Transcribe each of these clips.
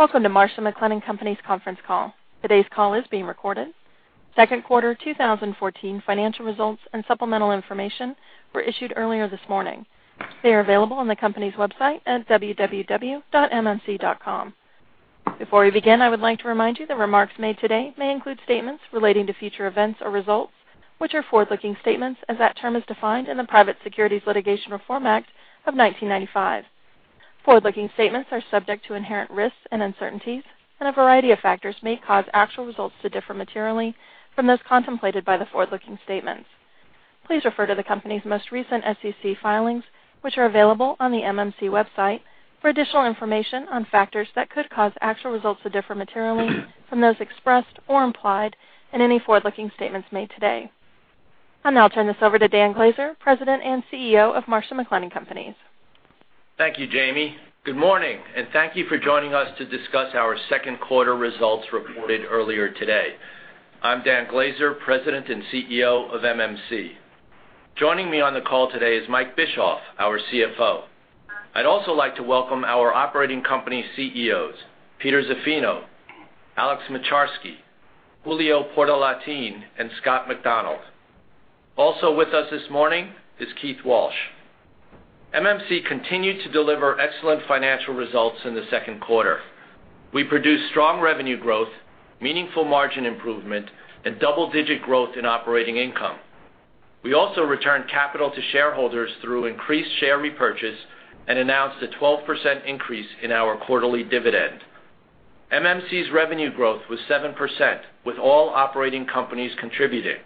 Welcome to Marsh & McLennan Companies conference call. Today's call is being recorded. Second quarter 2014 financial results and supplemental information were issued earlier this morning. They are available on the company's website at www.mmc.com. Before we begin, I would like to remind you that remarks made today may include statements relating to future events or results, which are forward-looking statements as that term is defined in the Private Securities Litigation Reform Act of 1995. Forward-looking statements are subject to inherent risks and uncertainties, and a variety of factors may cause actual results to differ materially from those contemplated by the forward-looking statements. Please refer to the company's most recent SEC filings, which are available on the MMC website, for additional information on factors that could cause actual results to differ materially from those expressed or implied in any forward-looking statements made today. I'll now turn this over to Dan Glaser, President and CEO of Marsh & McLennan Companies. Thank you, Jamie. Good morning, and thank you for joining us to discuss our second quarter results reported earlier today. I'm Dan Glaser, President and CEO of MMC. Joining me on the call today is Mike Bischoff, our CFO. I'd also like to welcome our operating company CEOs, Peter Zaffino, Alex Moczarski, Julio Portalatin, and Scott McDonald. Also with us this morning is Keith Walsh. MMC continued to deliver excellent financial results in the second quarter. We produced strong revenue growth, meaningful margin improvement, and double-digit growth in operating income. We also returned capital to shareholders through increased share repurchase and announced a 12% increase in our quarterly dividend. MMC's revenue growth was 7%, with all operating companies contributing.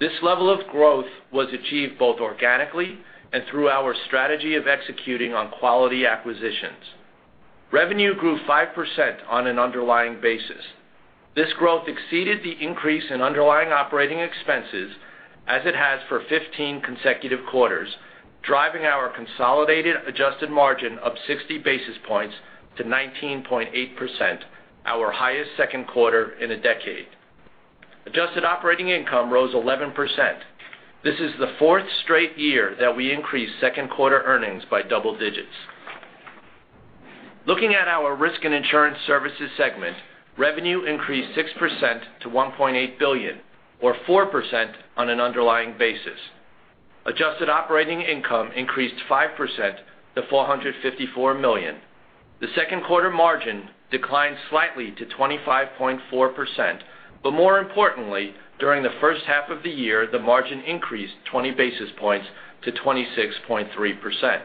This level of growth was achieved both organically and through our strategy of executing on quality acquisitions. Revenue grew 5% on an underlying basis. This growth exceeded the increase in underlying operating expenses as it has for 15 consecutive quarters, driving our consolidated adjusted margin up 60 basis points to 19.8%, our highest second quarter in a decade. Adjusted operating income rose 11%. This is the fourth straight year that we increased second quarter earnings by double digits. Looking at our Risk and Insurance Services segment, revenue increased 6% to $1.8 billion, or 4% on an underlying basis. Adjusted operating income increased 5% to $454 million. The second quarter margin declined slightly to 25.4%, more importantly, during the first half of the year, the margin increased 20 basis points to 26.3%.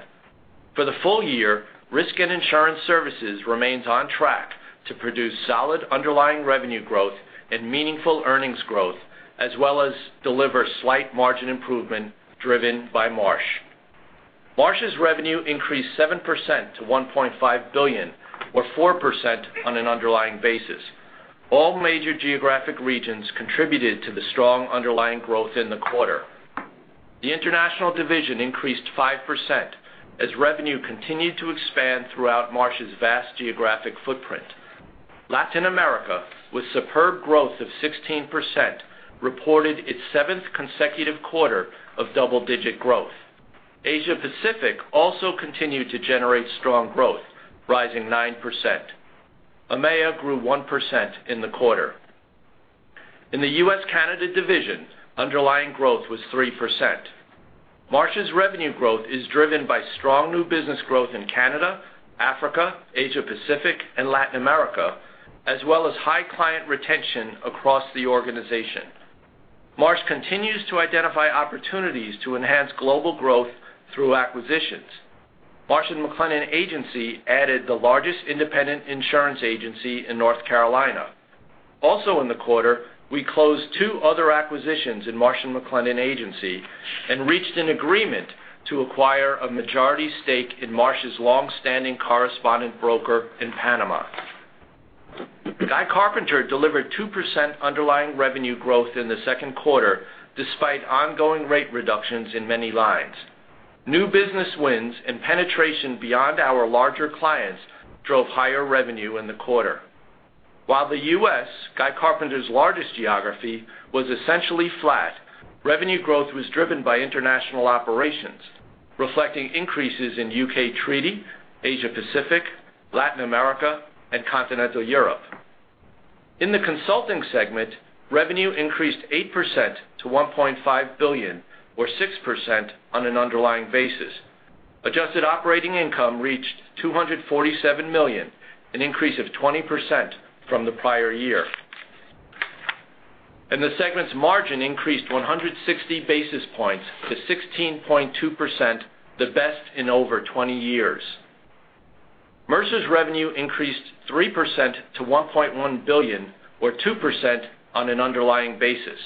For the full year, Risk and Insurance Services remains on track to produce solid underlying revenue growth and meaningful earnings growth, as well as deliver slight margin improvement driven by Marsh. Marsh's revenue increased 7% to $1.5 billion, or 4% on an underlying basis. All major geographic regions contributed to the strong underlying growth in the quarter. The international division increased 5% as revenue continued to expand throughout Marsh's vast geographic footprint. Latin America, with superb growth of 16%, reported its seventh consecutive quarter of double-digit growth. Asia Pacific also continued to generate strong growth, rising 9%. EMEA grew 1% in the quarter. In the U.S. Canada division, underlying growth was 3%. Marsh's revenue growth is driven by strong new business growth in Canada, Africa, Asia Pacific, and Latin America, as well as high client retention across the organization. Marsh continues to identify opportunities to enhance global growth through acquisitions. Marsh & McLennan Agency added the largest independent insurance agency in North Carolina. Also in the quarter, we closed two other acquisitions in Marsh & McLennan Agency and reached an agreement to acquire a majority stake in Marsh's longstanding correspondent broker in Panama. Guy Carpenter delivered 2% underlying revenue growth in the second quarter, despite ongoing rate reductions in many lines. New business wins and penetration beyond our larger clients drove higher revenue in the quarter. While the U.S., Guy Carpenter's largest geography, was essentially flat, revenue growth was driven by international operations, reflecting increases in U.K. Treaty, Asia Pacific, Latin America, and Continental Europe. In the consulting segment, revenue increased 8% to $1.5 billion, or 6% on an underlying basis. Adjusted operating income reached $247 million, an increase of 20% from the prior year. The segment's margin increased 160 basis points to 16.2%, the best in over 20 years. Mercer's revenue increased 3% to $1.1 billion, or 2% on an underlying basis.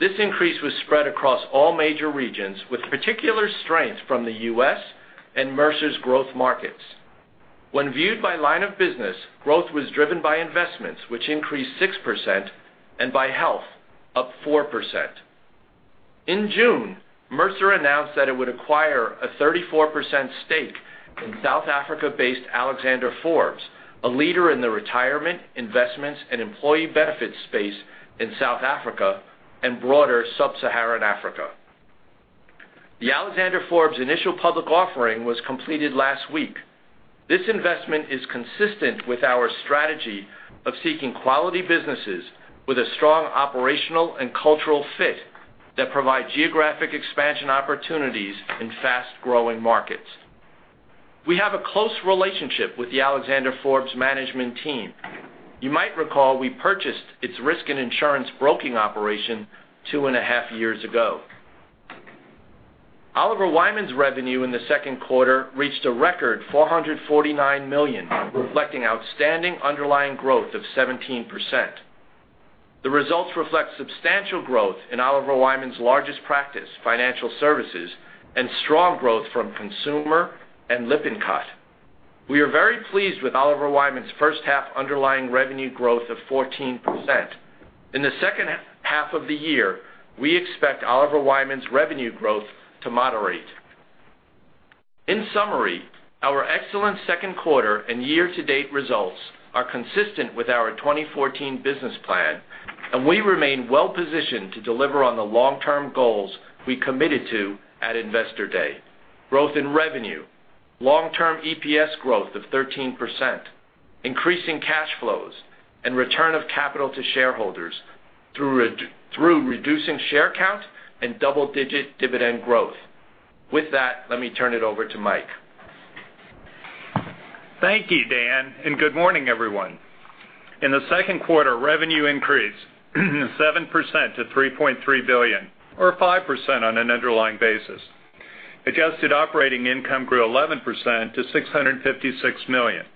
This increase was spread across all major regions, with particular strength from the U.S. and Mercer's growth markets. When viewed by line of business, growth was driven by investments, which increased 6%, and by health, up 4%. In June, Mercer announced that it would acquire a 34% stake in South Africa-based Alexander Forbes, a leader in the retirement, investments, and employee benefits space in South Africa and broader sub-Saharan Africa. The Alexander Forbes initial public offering was completed last week. This investment is consistent with our strategy of seeking quality businesses with a strong operational and cultural fit that provide geographic expansion opportunities in fast-growing markets. We have a close relationship with the Alexander Forbes management team. You might recall we purchased its risk and insurance broking operation two and a half years ago. Oliver Wyman's revenue in the second quarter reached a record $449 million, reflecting outstanding underlying growth of 17%. The results reflect substantial growth in Oliver Wyman's largest practice, financial services, and strong growth from consumer and Lippincott. We are very pleased with Oliver Wyman's first-half underlying revenue growth of 14%. In the second half of the year, we expect Oliver Wyman's revenue growth to moderate. In summary, our excellent second quarter and year-to-date results are consistent with our 2014 business plan, and we remain well-positioned to deliver on the long-term goals we committed to at Investor Day, growth in revenue, long-term EPS growth of 13%, increasing cash flows, and return of capital to shareholders through reducing share count and double-digit dividend growth. With that, let me turn it over to Mike. Thank you, Dan, and good morning, everyone. In the second quarter, revenue increased 7% to $3.3 billion or 5% on an underlying basis. Adjusted operating income grew 11% to $656 million,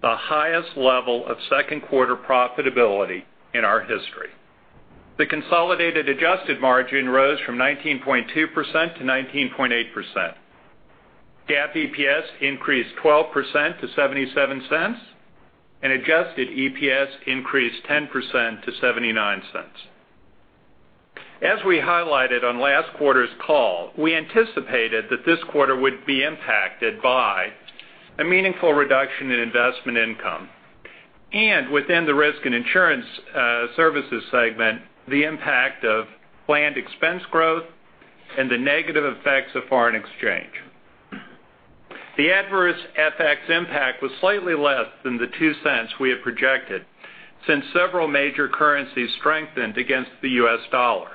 the highest level of second quarter profitability in our history. The consolidated adjusted margin rose from 19.2% to 19.8%. GAAP EPS increased 12% to $0.77, and adjusted EPS increased 10% to $0.79. As we highlighted on last quarter's call, we anticipated that this quarter would be impacted by a meaningful reduction in investment income, and within the Risk and Insurance Services segment, the impact of planned expense growth and the negative effects of foreign exchange. The adverse FX impact was slightly less than the $0.02 we had projected, since several major currencies strengthened against the U.S. dollar.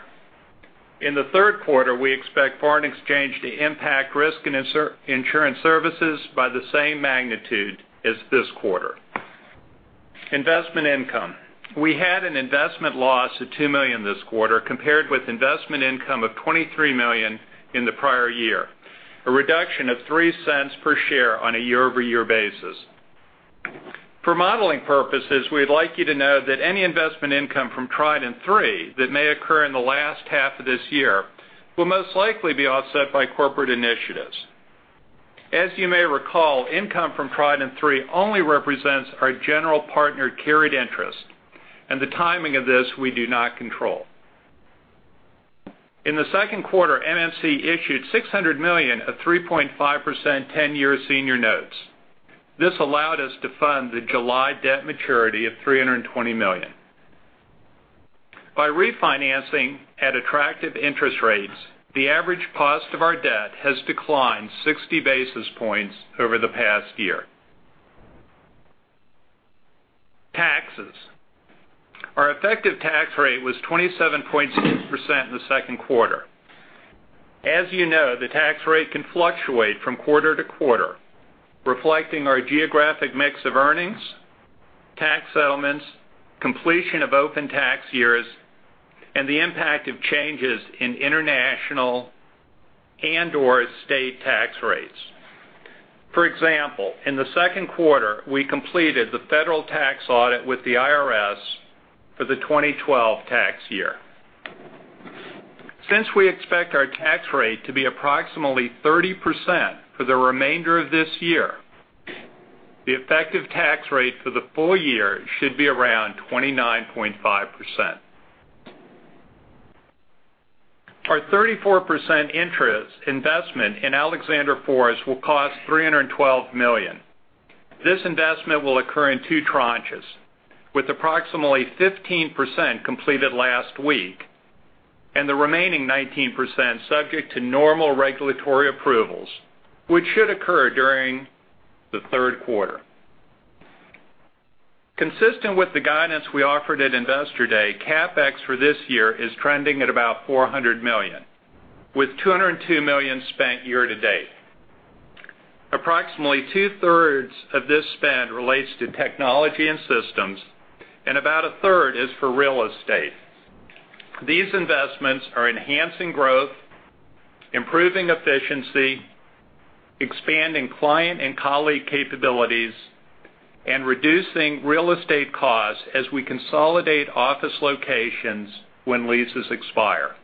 In the third quarter, we expect foreign exchange to impact Risk and Insurance Services by the same magnitude as this quarter. Investment income. We had an investment loss of $2 million this quarter, compared with investment income of $23 million in the prior year, a reduction of $0.03 per share on a year-over-year basis. For modeling purposes, we'd like you to know that any investment income from Trident III that may occur in the last half of this year will most likely be offset by corporate initiatives. As you may recall, income from Trident III only represents our general partner carried interest, and the timing of this we do not control. In the second quarter, MMC issued $600 million of 3.5% 10-year senior notes. This allowed us to fund the July debt maturity of $320 million. By refinancing at attractive interest rates, the average cost of our debt has declined 60 basis points over the past year. Taxes. Our effective tax rate was 27.6% in the second quarter. As you know, the tax rate can fluctuate from quarter to quarter, reflecting our geographic mix of earnings, tax settlements, completion of open tax years, and the impact of changes in international and/or state tax rates. For example, in the second quarter, we completed the federal tax audit with the IRS for the 2012 tax year. Since we expect our tax rate to be approximately 30% for the remainder of this year, the effective tax rate for the full year should be around 29.5%. Our 34% interest investment in Alexander Forbes will cost $312 million. This investment will occur in two tranches, with approximately 15% completed last week and the remaining 19% subject to normal regulatory approvals, which should occur during the third quarter. Consistent with the guidance we offered at Investor Day, CapEx for this year is trending at about $400 million, with $202 million spent year to date. Approximately two-thirds of this spend relates to technology and systems, and about a third is for real estate. These investments are enhancing growth, improving efficiency, expanding client and colleague capabilities, and reducing real estate costs as we consolidate office locations when leases expire.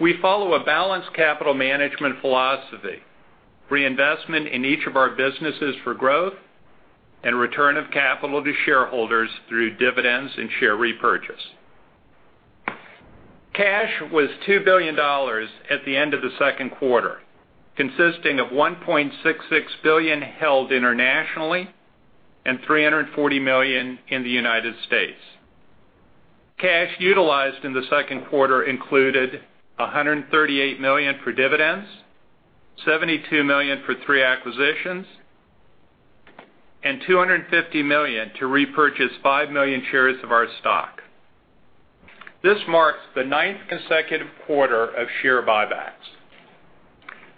We follow a balanced capital management philosophy, reinvestment in each of our businesses for growth, and return of capital to shareholders through dividends and share repurchase. Cash was $2 billion at the end of the second quarter, consisting of $1.66 billion held internationally and $340 million in the United States. Cash utilized in the second quarter included $138 million for dividends, $72 million for three acquisitions, and $250 million to repurchase five million shares of our stock. This marks the ninth consecutive quarter of share buybacks.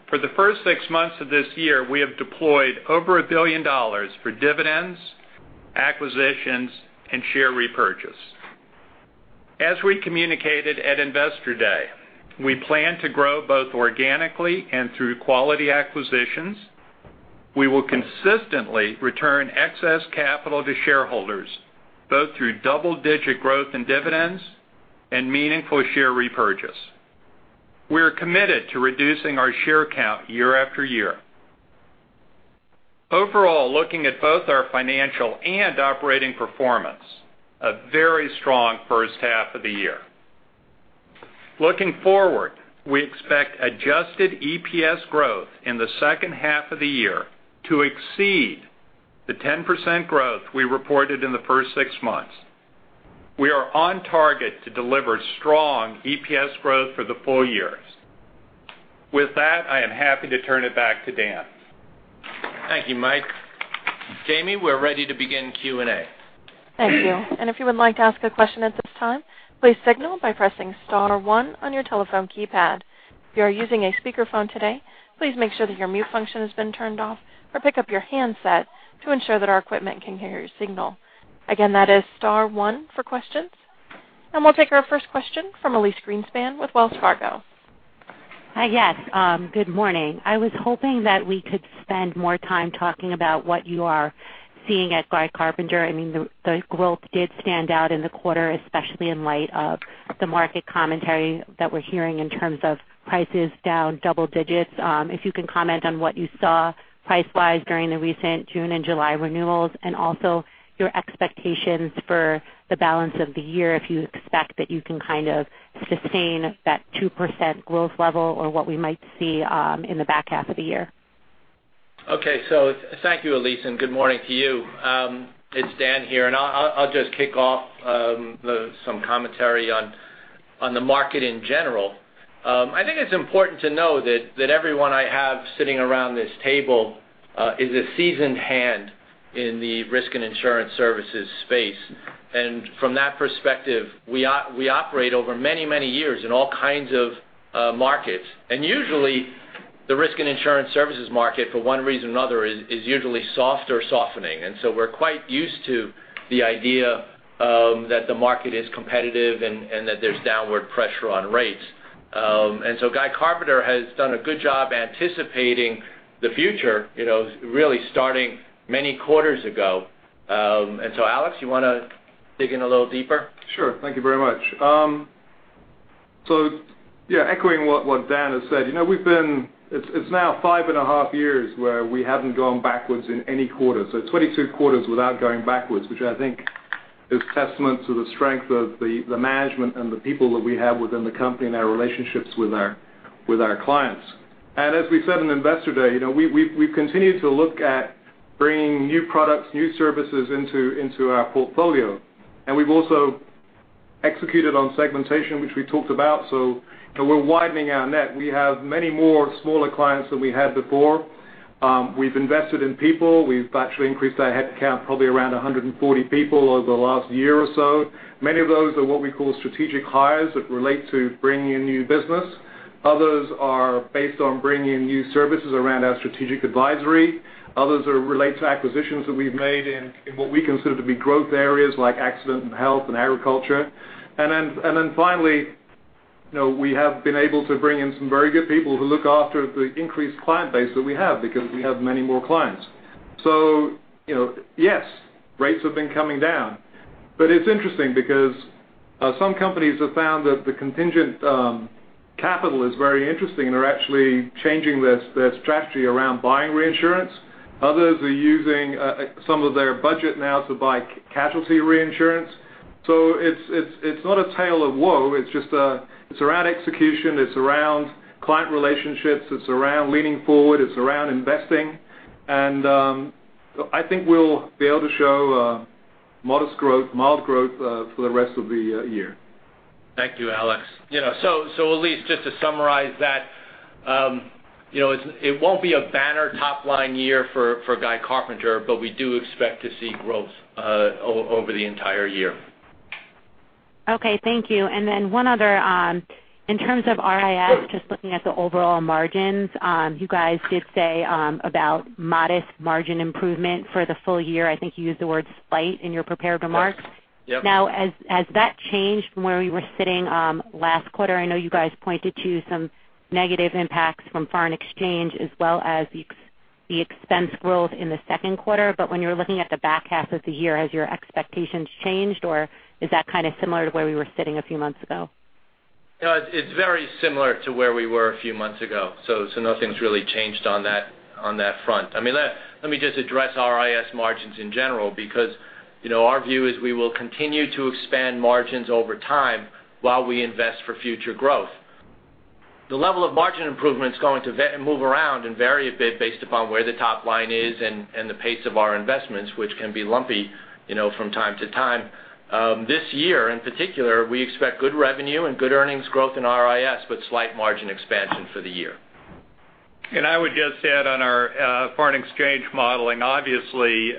For the first six months of this year, we have deployed over a billion dollars for dividends, acquisitions, and share repurchase. As we communicated at Investor Day, we plan to grow both organically and through quality acquisitions. We will consistently return excess capital to shareholders, both through double-digit growth in dividends and meaningful share repurchase. We are committed to reducing our share count year after year. Overall, looking at both our financial and operating performance, a very strong first half of the year. Looking forward, we expect adjusted EPS growth in the second half of the year to exceed the 10% growth we reported in the first six months. We are on target to deliver strong EPS growth for the full year. With that, I am happy to turn it back to Dan. Thank you, Mike. Jamie, we're ready to begin Q&A. Thank you. If you would like to ask a question at this time, please signal by pressing star one on your telephone keypad. If you are using a speakerphone today, please make sure that your mute function has been turned off, or pick up your handset to ensure that our equipment can hear your signal. Again, that is star one for questions. We'll take our first question from Elyse Greenspan with Wells Fargo. Hi, yes. Good morning. I was hoping that we could spend more time talking about what you are seeing at Guy Carpenter. The growth did stand out in the quarter, especially in light of the market commentary that we're hearing in terms of prices down double digits. If you can comment on what you saw price-wise during the recent June and July renewals, and also your expectations for the balance of the year, if you expect that you can sustain that 2% growth level, or what we might see in the back half of the year. Okay. Thank you, Elyse, and good morning to you. It's Dan here, I'll just kick off some commentary on the market in general. I think it's important to know that everyone I have sitting around this table is a seasoned hand in the Risk and Insurance Services space. From that perspective, we operate over many years in all kinds of markets. Usually, theRisk and Insurance Services market, for one reason or another, is usually soft or softening. We're quite used to the idea that the market is competitive and that there's downward pressure on rates. Guy Carpenter has done a good job anticipating the future, really starting many quarters ago. Alex, you want to dig in a little deeper? Sure. Thank you very much. Yeah, echoing what Dan has said, it's now 5 and a half years where we haven't gone backwards in any quarter. 22 quarters without going backwards, which I think is testament to the strength of the management and the people that we have within the company and our relationships with our clients. As we said on Investor Day, we've continued to look at bringing new products, new services into our portfolio. We've also executed on segmentation, which we talked about. We're widening our net. We have many more smaller clients than we had before. We've invested in people. We've actually increased our headcount, probably around 140 people over the last year or so. Many of those are what we call strategic hires that relate to bringing in new business. Others are based on bringing in new services around our strategic advisory. Others relate to acquisitions that we've made in what we consider to be growth areas like accident and health and agriculture. Finally, we have been able to bring in some very good people who look after the increased client base that we have because we have many more clients. Yes, rates have been coming down. It's interesting because some companies have found that the contingent capital is very interesting and are actually changing their strategy around buying reinsurance. Others are using some of their budget now to buy casualty reinsurance. It's not a tale of woe. It's around execution, it's around client relationships, it's around leaning forward, it's around investing. I think we'll be able to show mild growth for the rest of the year. Thank you, Alex. Elyse, just to summarize that, it won't be a banner top-line year for Guy Carpenter, but we do expect to see growth over the entire year. Okay, thank you. One other, in terms of RIS, just looking at the overall margins, you guys did say about modest margin improvement for the full year. I think you used the word slight in your prepared remarks. Yes. Yep. Has that changed from where we were sitting last quarter? I know you guys pointed to some negative impacts from foreign exchange as well as the expense growth in the second quarter, but when you're looking at the back half of the year, has your expectations changed, or is that kind of similar to where we were sitting a few months ago? No, it's very similar to where we were a few months ago. Nothing's really changed on that front. Let me just address RIS margins in general, because our view is we will continue to expand margins over time while we invest for future growth. The level of margin improvement is going to move around and vary a bit based upon where the top line is and the pace of our investments, which can be lumpy from time to time. This year, in particular, we expect good revenue and good earnings growth in RIS, but slight margin expansion for the year. I would just add on our foreign exchange modeling, obviously,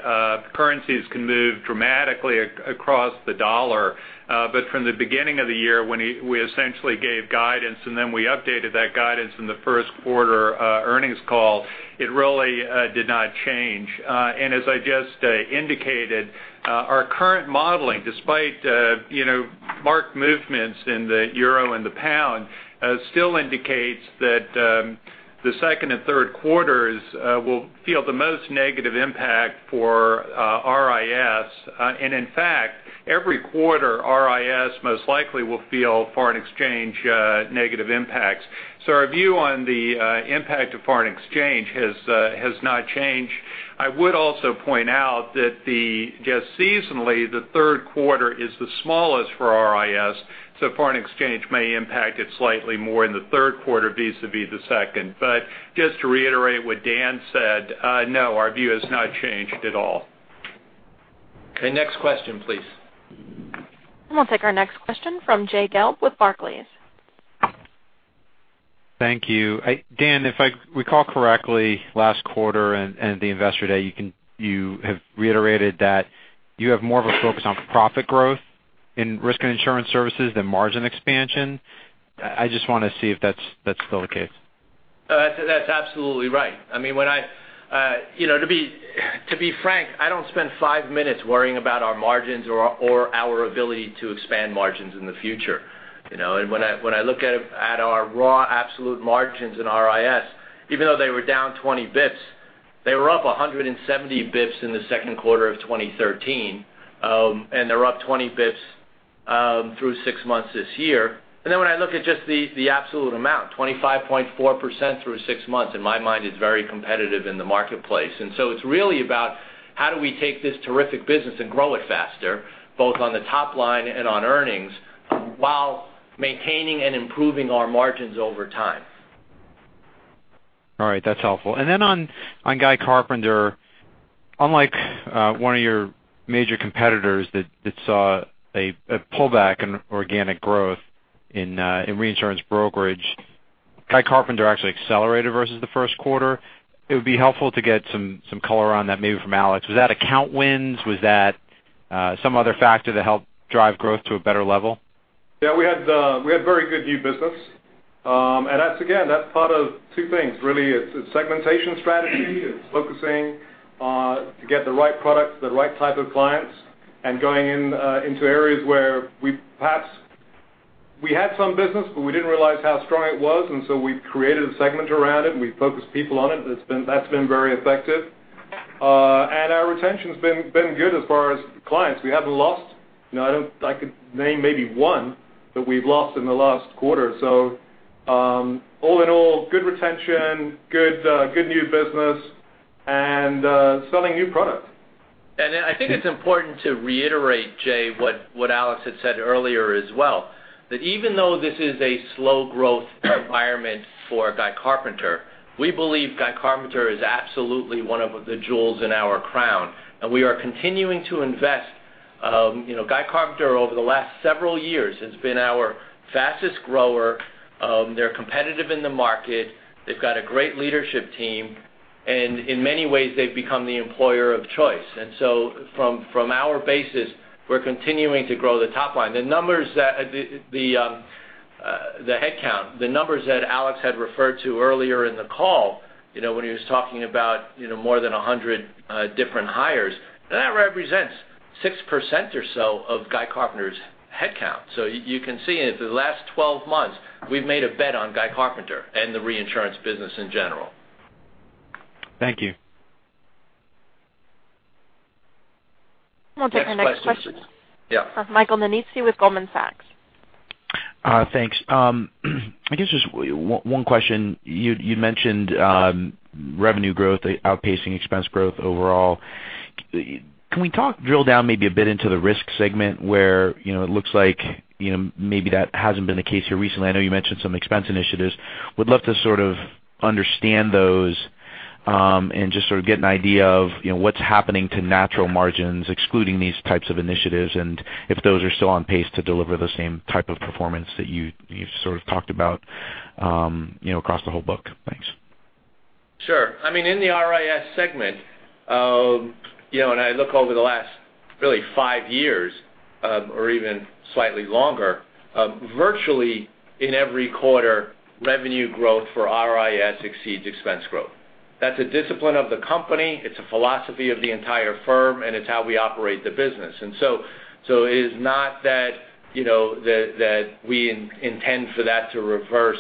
currencies can move dramatically across the U.S. dollar. From the beginning of the year, when we essentially gave guidance and then we updated that guidance in the first quarter earnings call, it really did not change. As I just indicated, our current modeling, despite marked movements in the Euro and the Pound, still indicates that the second and third quarters will feel the most negative impact for RIS. In fact, every quarter, RIS most likely will feel foreign exchange negative impacts. Our view on the impact of foreign exchange has not changed. I would also point out that just seasonally, the third quarter is the smallest for RIS, so foreign exchange may impact it slightly more in the third quarter vis-a-vis the second. Just to reiterate what Dan said, no, our view has not changed at all. Okay, next question, please. We'll take our next question from Jay Gelb with Barclays. Thank you. Dan, if I recall correctly, last quarter and the Investor Day, you have reiterated that you have more of a focus on profit growth inRisk and Insurance Services than margin expansion. I just want to see if that's still the case. That's absolutely right. To be frank, I don't spend five minutes worrying about our margins or our ability to expand margins in the future. When I look at our raw absolute margins in RIS, even though they were down 20 basis points, they were up 170 basis points in the second quarter of 2013, and they're up 20 basis points through six months this year. When I look at just the absolute amount, 25.4% through six months, in my mind, is very competitive in the marketplace. So it's really about how do we take this terrific business and grow it faster, both on the top line and on earnings, while maintaining and improving our margins over time. All right, that's helpful. On Guy Carpenter, unlike one of your major competitors that saw a pullback in organic growth in reinsurance brokerage, Guy Carpenter actually accelerated versus the first quarter. It would be helpful to get some color on that maybe from Alex. Was that account wins? Was that some other factor that helped drive growth to a better level? We had very good new business. That's, again, that's part of two things, really. It's a segmentation strategy. It's focusing on to get the right product to the right type of clients and going into areas where we perhaps we had some business, but we didn't realize how strong it was. We've created a segment around it, and we've focused people on it. That's been very effective. Our retention's been good as far as clients. We haven't lost, I could name maybe one that we've lost in the last quarter. All in all, good retention, good new business, and selling new product. I think it's important to reiterate, Jay, what Alex had said earlier as well, that even though this is a slow growth environment for Guy Carpenter, we believe Guy Carpenter is absolutely one of the jewels in our crown, and we are continuing to invest. Guy Carpenter, over the last several years, has been our fastest grower. They're competitive in the market. They've got a great leadership team, and in many ways, they've become the employer of choice. From our basis, we're continuing to grow the top line. The headcount, the numbers that Alex had referred to earlier in the call, when he was talking about more than 100 different hires, that represents 6% or so of Guy Carpenter's headcount. You can see in the last 12 months, we've made a bet on Guy Carpenter and the reinsurance business in general. Thank you. We'll take our next question. Yeah. Michael Nannizzi with Goldman Sachs. Thanks. I guess just one question. You had mentioned revenue growth outpacing expense growth overall. Can we drill down maybe a bit into the RIS segment where it looks like maybe that hasn't been the case here recently? I know you mentioned some expense initiatives. Would love to sort of understand those and just sort of get an idea of what's happening to natural margins, excluding these types of initiatives, and if those are still on pace to deliver the same type of performance that you've sort of talked about across the whole book. Thanks. Sure. In the RIS segment, I look over the last really five years or even slightly longer, virtually in every quarter, revenue growth for RIS exceeds expense growth. That's a discipline of the company, it's a philosophy of the entire firm, and it's how we operate the business. It is not that we intend for that to reverse.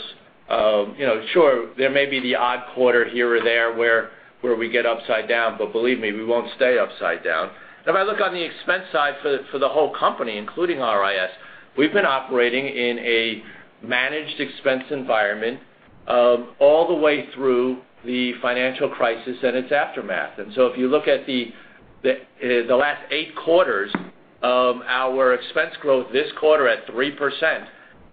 Sure, there may be the odd quarter here or there where we get upside down, but believe me, we won't stay upside down. If I look on the expense side for the whole company, including RIS, we've been operating in a managed expense environment all the way through the financial crisis and its aftermath. If you look at the last eight quarters of our expense growth, this quarter at 3%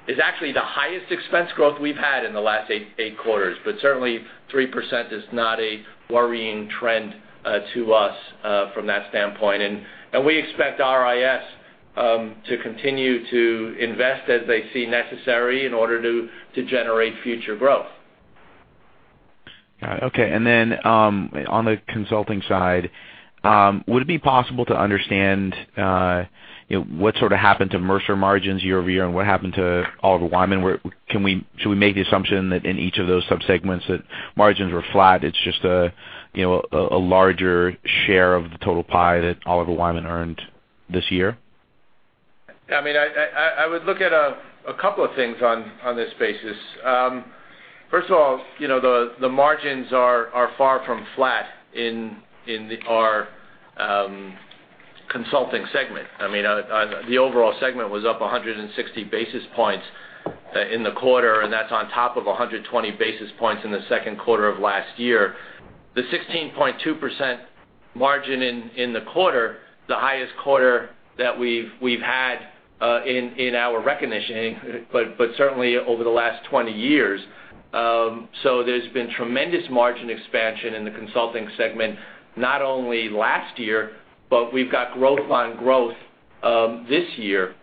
is actually the highest expense growth we've had in the last eight quarters. Certainly, 3% is not a worrying trend to us from that standpoint. We expect RIS to continue to invest as they see necessary in order to generate future growth. Got it. Okay. Then, on the consulting side, would it be possible to understand what sort of happened to Mercer margins year-over-year, and what happened to Oliver Wyman? Should we make the assumption that in each of those sub-segments that margins were flat, it is just a larger share of the total pie that Oliver Wyman earned this year? I would look at a couple of things on this basis. First of all, the margins are far from flat in our consulting segment. The overall segment was up 160 basis points in the quarter, that is on top of 120 basis points in the second quarter of last year. The 16.2% margin in the quarter, the highest quarter that we have had in our recognition, but certainly over the last 20 years. There has been tremendous margin expansion in the consulting segment, not only last year, but we have got growth on growth this year.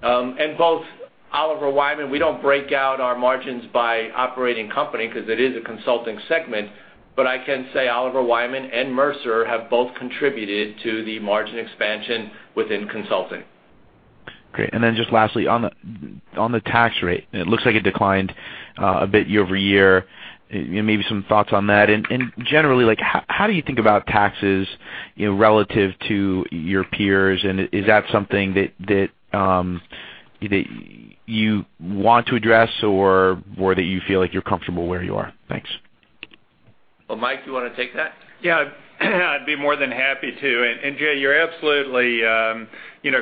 Both Oliver Wyman, we do not break out our margins by operating company because it is a consulting segment, but I can say Oliver Wyman and Mercer have both contributed to the margin expansion within consulting. Great. Then just lastly, on the tax rate, it looks like it declined a bit year-over-year. Maybe some thoughts on that. Generally, how do you think about taxes relative to your peers, and is that something that you want to address or that you feel like you are comfortable where you are? Thanks. Well, Mike, you want to take that? Jay, you're absolutely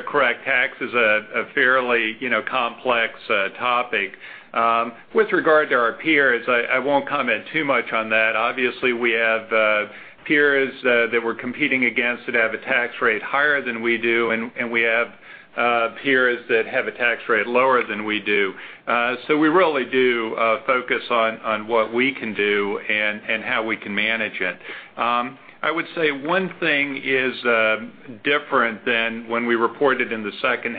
correct. Tax is a fairly complex topic. With regard to our peers, I won't comment too much on that. Obviously, we have peers that we're competing against that have a tax rate higher than we do, and we have peers that have a tax rate lower than we do. We really do focus on what we can do and how we can manage it. I would say one thing is different than when we reported in the second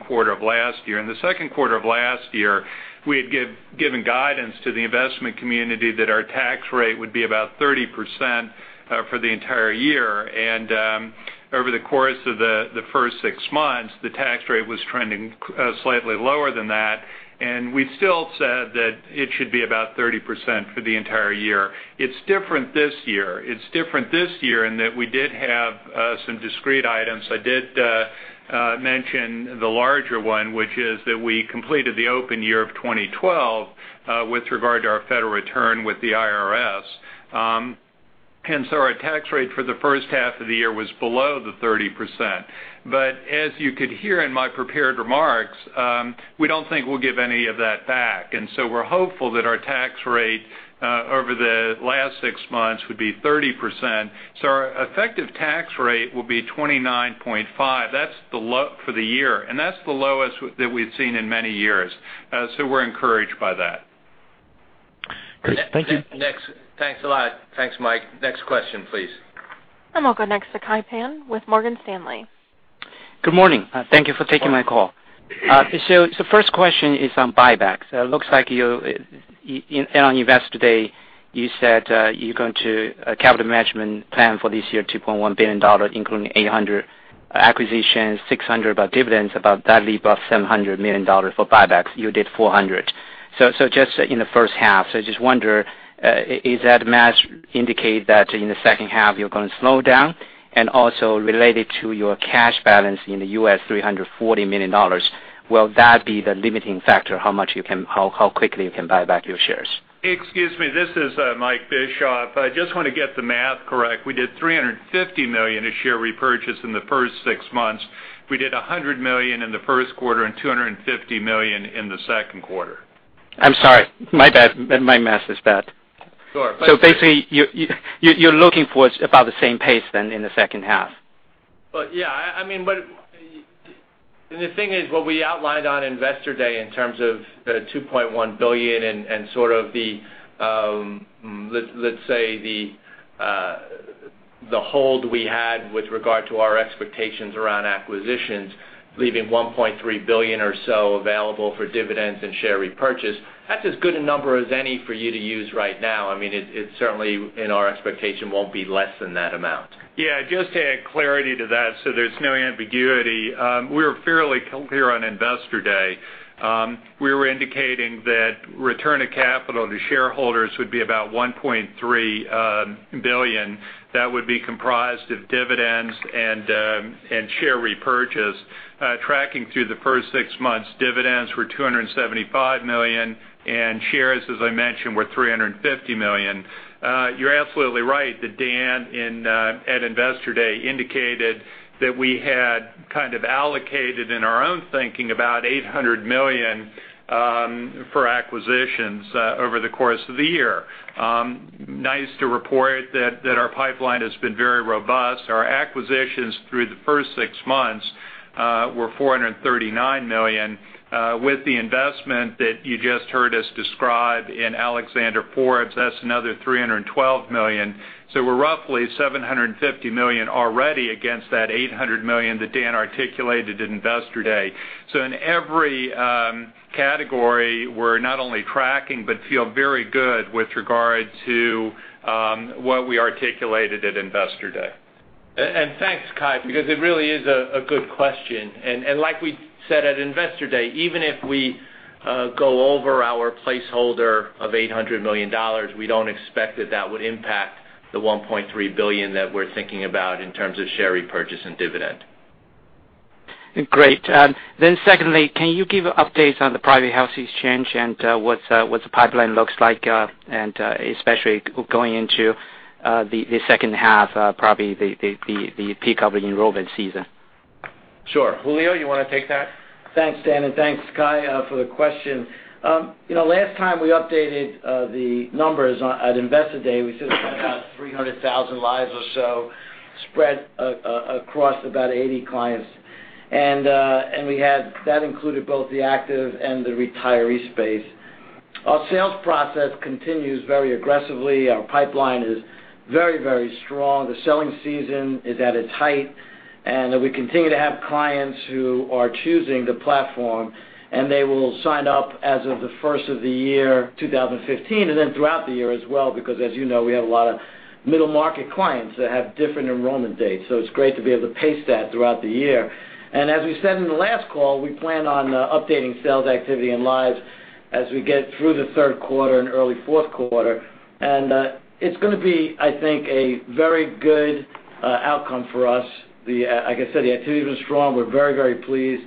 quarter of last year. In the second quarter of last year, we had given guidance to the investment community that our tax rate would be about 30% for the entire year. Over the course of the first six months, the tax rate was trending slightly lower than that. We still said that it should be about 30% for the entire year. It's different this year. It's different this year in that we did have some discrete items. I did mention the larger one, which is that we completed the open year of 2012 with regard to our federal return with the IRS. Our tax rate for the first half of the year was below the 30%. As you could hear in my prepared remarks, we don't think we'll give any of that back. We're hopeful that our tax rate over the last six months would be 30%. Our effective tax rate will be 29.5%. That's for the year, and that's the lowest that we've seen in many years. We're encouraged by that. Great. Thank you. Thanks a lot. Thanks, Mike. Next question, please. We'll go next to Kai Pan with Morgan Stanley. Good morning. Thank you for taking my call. The first question is on buybacks. It looks like on Investor Day, you said you're going to a capital management plan for this year, $2.1 billion, including $800 acquisitions, $600 about dividends, about that leave off $700 million for buybacks. You did $400. Just in the first half. Just wonder, is that match indicate that in the second half you're going to slow down? Also related to your cash balance in the U.S., $340 million, will that be the limiting factor how quickly you can buy back your shares? Excuse me, this is Mike Bischoff. I just want to get the math correct. We did $350 million of share repurchase in the first six months. We did $100 million in the first quarter and $250 million in the second quarter. I'm sorry. My bad. My math is bad. Sure. Basically, you're looking for about the same pace then in the second half. Yeah. The thing is what we outlined on Investor Day in terms of the $2.1 billion and sort of the, let's say, the hold we had with regard to our expectations around acquisitions, leaving $1.3 billion or so available for dividends and share repurchase. That's as good a number as any for you to use right now. It certainly, in our expectation, won't be less than that amount. Just to add clarity to that so there's no ambiguity. We were fairly clear on Investor Day. We were indicating that return of capital to shareholders would be about $1.3 billion. That would be comprised of dividends and share repurchase. Tracking through the first six months, dividends were $275 million, and shares, as I mentioned, were $350 million. You're absolutely right that Dan at Investor Day indicated that we had kind of allocated in our own thinking about $800 million for acquisitions over the course of the year. Nice to report that our pipeline has been very robust. Our acquisitions through the first six months were $439 million, with the investment that you just heard us describe in Alexander Forbes, that's another $312 million. We're roughly $750 million already against that $800 million that Dan articulated at Investor Day. In every category, we're not only tracking but feel very good with regard to what we articulated at Investor Day. Thanks, Kai, because it really is a good question. Like we said at Investor Day, even if we go over our placeholder of $800 million, we don't expect that that would impact the $1.3 billion that we're thinking about in terms of share repurchase and dividend. Great. Secondly, can you give updates on the private health exchange and what the pipeline looks like, and especially going into the second half, probably the peak of the enrollment season? Sure. Julio, you want to take that? Thanks, Dan, and thanks, Kai, for the question. Last time we updated the numbers at Investor Day, we said it was about 300,000 lives or so spread across about 80 clients. That included both the active and the retiree space. Our sales process continues very aggressively. Our pipeline is very strong. The selling season is at its height, and we continue to have clients who are choosing the platform, and they will sign up as of the first of the year 2015, and then throughout the year as well. As you know, we have a lot of middle-market clients that have different enrollment dates, so it's great to be able to pace that throughout the year. As we said in the last call, we plan on updating sales activity and lives as we get through the third quarter and early fourth quarter. It's going to be, I think, a very good outcome for us. Like I said, the activity was strong. We're very pleased.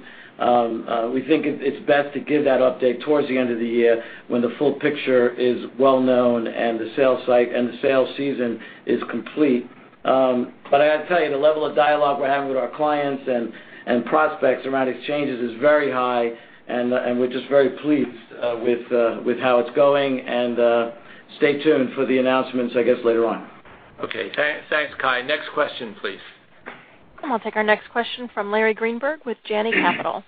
We think it's best to give that update towards the end of the year when the full picture is well known and the sales season is complete. I got to tell you, the level of dialogue we're having with our clients and prospects around exchanges is very high, and we're just very pleased with how it's going. Stay tuned for the announcements, I guess, later on. Okay. Thanks, Kai. Next question, please. I'll take our next question from Larry Greenberg with Janney Capital.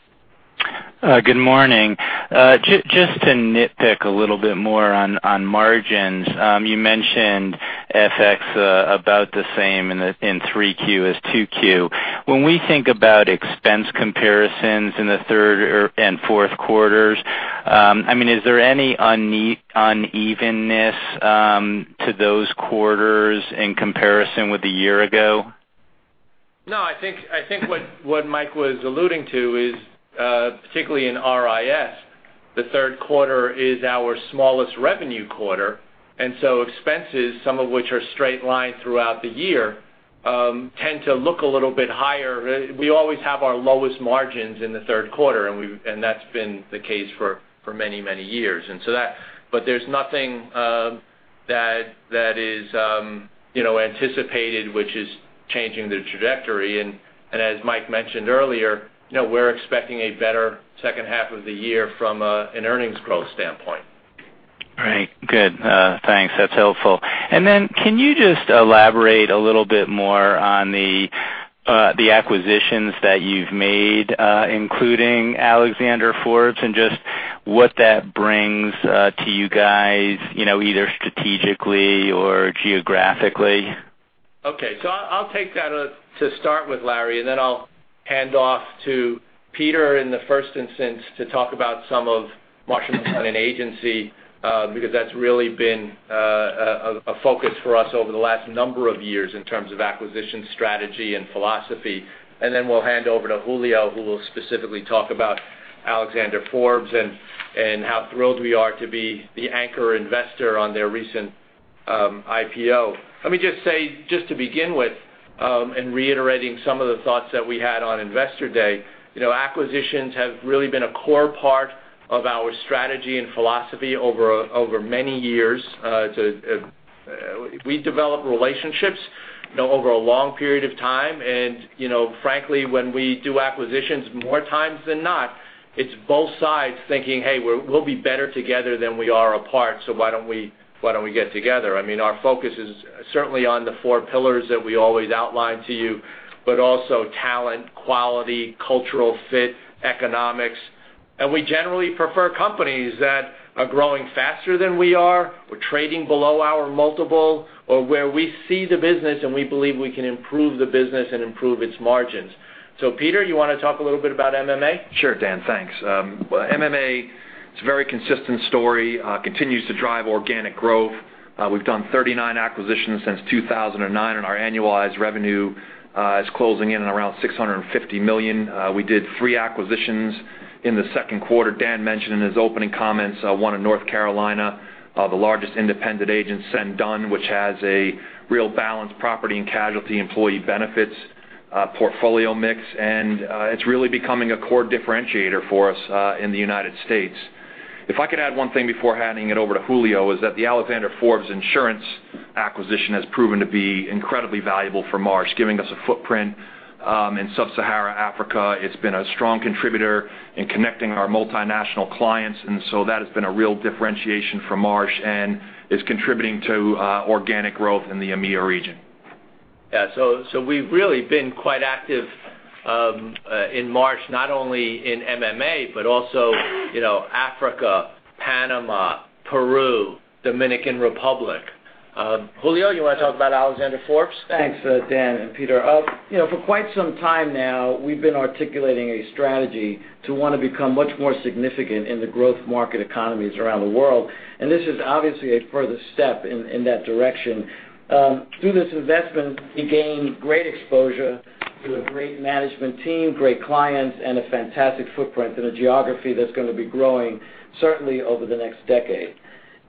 Good morning. Just to nitpick a little bit more on margins. You mentioned FX about the same in Q3 as Q2. When we think about expense comparisons in the third and fourth quarters, is there any unevenness to those quarters in comparison with a year ago? I think what Mike was alluding to is, particularly in RIS, the third quarter is our smallest revenue quarter, so expenses, some of which are straight line throughout the year, tend to look a little bit higher. We always have our lowest margins in the third quarter, that's been the case for many years. There's nothing that is anticipated, which is changing the trajectory. As Mike mentioned earlier, we're expecting a better second half of the year from an earnings growth standpoint. Right. Good. Thanks. That's helpful. Can you just elaborate a little bit more on the acquisitions that you've made, including Alexander Forbes, and just what that brings to you guys, either strategically or geographically? I'll take that to start with, Larry, I'll hand off to Peter in the first instance to talk about some of Marsh & McLennan Agency, because that's really been a focus for us over the last number of years in terms of acquisition strategy and philosophy. We'll hand over to Julio, who will specifically talk about Alexander Forbes and how thrilled we are to be the anchor investor on their recent IPO. Let me just say, just to begin with, and reiterating some of the thoughts that we had on Investor Day, acquisitions have really been a core part of our strategy and philosophy over many years. We develop relationships over a long period of time, and frankly, when we do acquisitions, more times than not, it's both sides thinking, "Hey, we'll be better together than we are apart, so why don't we get together?" Our focus is certainly on the four pillars that we always outline to you, but also talent, quality, cultural fit, economics. We generally prefer companies that are growing faster than we are, or trading below our multiple, or where we see the business and we believe we can improve the business and improve its margins. So Peter, you want to talk a little bit about MMA? Sure, Dan, thanks. MMA is a very consistent story, continues to drive organic growth. We've done 39 acquisitions since 2009, and our annualized revenue is closing in and around $650 million. We did three acquisitions in the second quarter. Dan mentioned in his opening comments, one in North Carolina, the largest independent agent, Senn Dunn, which has a real balanced property and casualty employee benefits portfolio mix, and it's really becoming a core differentiator for us in the United States. If I could add one thing before handing it over to Julio, is that the Alexander Forbes Insurance acquisition has proven to be incredibly valuable for Marsh, giving us a footprint in Sub-Sahara Africa. It's been a strong contributor in connecting our multinational clients, that has been a real differentiation for Marsh and is contributing to organic growth in the EMEA region. Yeah. We've really been quite active in Marsh, not only in MMA, but also Africa, Panama, Peru, Dominican Republic. Julio, you want to talk about Alexander Forbes? Thanks, Dan and Peter. For quite some time now, we've been articulating a strategy to want to become much more significant in the growth market economies around the world, this is obviously a further step in that direction. Through this investment, we gain great exposure to a great management team, great clients, and a fantastic footprint in a geography that's going to be growing certainly over the next decade.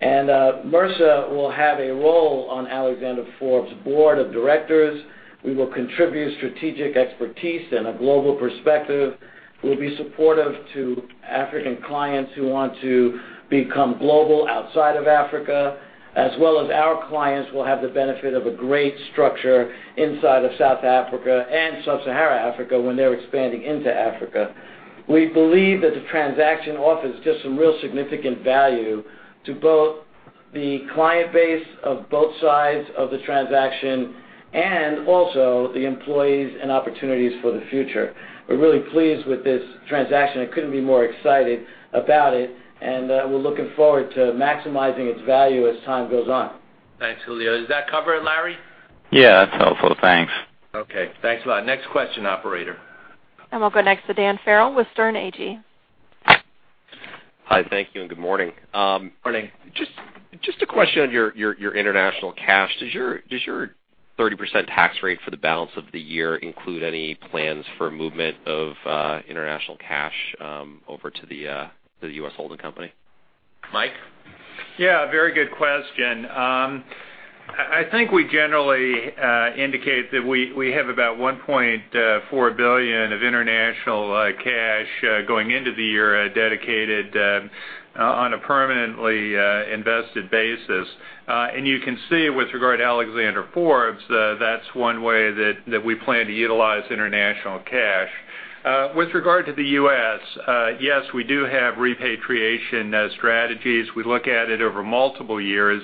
Mercer will have a role on Alexander Forbes' board of directors. We will contribute strategic expertise and a global perspective. We'll be supportive to African clients who want to become global outside of Africa, as well as our clients will have the benefit of a great structure inside of South Africa and Sub-Sahara Africa when they're expanding into Africa. We believe that the transaction offers just some real significant value to both the client base of both sides of the transaction and also the employees and opportunities for the future. We're really pleased with this transaction and couldn't be more excited about it, and we're looking forward to maximizing its value as time goes on. Thanks, Julio. Does that cover it, Larry? Yeah, that's helpful. Thanks. Okay. Thanks a lot. Next question, operator. We'll go next to Dan Farrell with Sterne Agee. Hi, thank you, and good morning. Morning. Just a question on your international cash. Does your 30% tax rate for the balance of the year include any plans for movement of international cash over to the U.S. holding company? Mike? Yeah, very good question. I think we generally indicate that we have about $1.4 billion of international cash going into the year dedicated on a permanently invested basis. You can see with regard to Alexander Forbes, that's one way that we plan to utilize international cash. With regard to the U.S., yes, we do have repatriation strategies. We look at it over multiple years.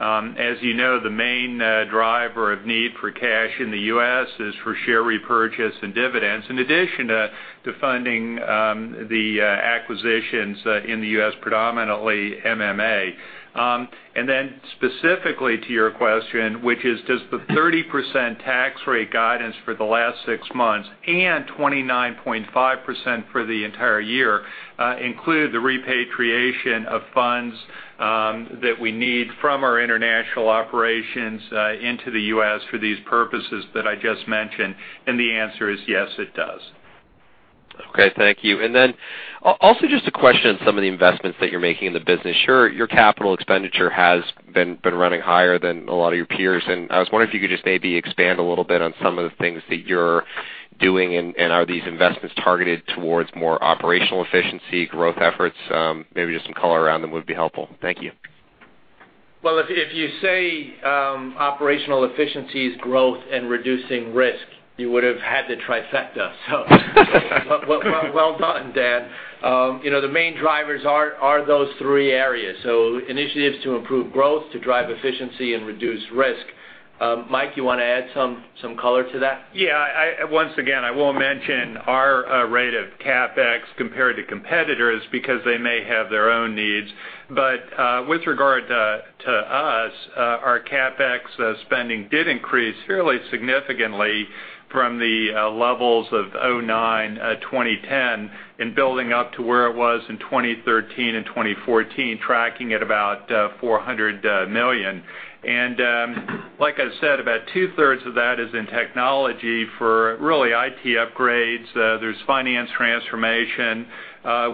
As you know, the main driver of need for cash in the U.S. is for share repurchase and dividends, in addition to funding the acquisitions in the U.S., predominantly MMA. Then specifically to your question, which is does the 30% tax rate guidance for the last 6 months and 29.5% for the entire year include the repatriation of funds that we need from our international operations into the U.S. for these purposes that I just mentioned? The answer is yes, it does. Okay, thank you. Then also just a question on some of the investments that you're making in the business. Sure, your capital expenditure has been running higher than a lot of your peers, and I was wondering if you could just maybe expand a little bit on some of the things that you're doing, and are these investments targeted towards more operational efficiency, growth efforts? Maybe just some color around them would be helpful. Thank you. Well, if you say operational efficiencies, growth, and reducing risk, you would have had the trifecta. Well done, Dan. The main drivers are those three areas. Initiatives to improve growth, to drive efficiency, and reduce risk. Mike, you want to add some color to that? Yeah. Once again, I won't mention our rate of CapEx compared to competitors because they may have their own needs. With regard to us, our CapEx spending did increase fairly significantly from the levels of 2009, 2010, and building up to where it was in 2013 and 2014, tracking at about $400 million. Like I said, about two-thirds of that is in technology for really IT upgrades. There's finance transformation.